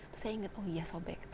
terus saya ingat oh iya sobek